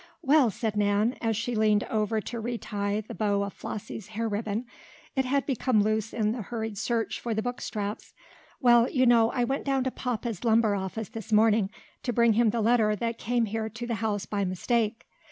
"Well," said Nan, as she leaned over to re tie the bow of Flossie's hair ribbon. It had become loose in the hurried search for the book straps. "Well, you know I went down to papa's lumber office this morning, to bring him the letter that came here to the house by mistake.